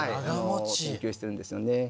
研究してるんですよね。